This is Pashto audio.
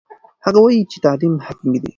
هغه وایي چې تعلیم حتمي دی.